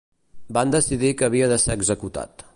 Van decidir que havia de ser executat.